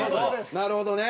なるほどね。